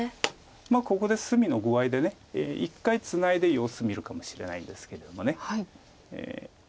ここで隅の具合で一回ツナいで様子見るかもしれないんですけれども。